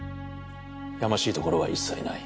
やましいところは一切ない。